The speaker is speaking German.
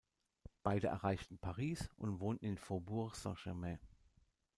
Beide erreichten Paris und wohnten in Faubourg Saint-Germain.